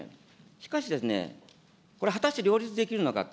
しかしですね、これ、果たして両立できるのか。